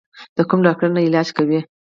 د کوم ډاکټر نه علاج کوې؟